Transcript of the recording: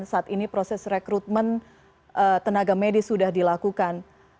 saat ini proses rekrutmen tenaga medis sudah dilakukan